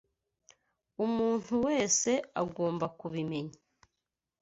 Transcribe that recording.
Umuntu wese agomba kubimenya.